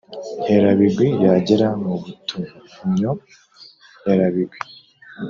nkerabigwi/ yagera m u butunnyo nkerabigwi/